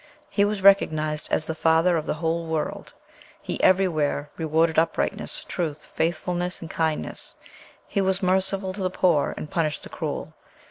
He was recognized as the father of the whole world; he everywhere rewarded uprightness, truth, faithfulness, and kindness; he was merciful to the poor, and punished the cruel.